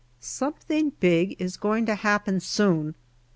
Something big is going to happen soon.